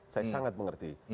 saya sangat mengerti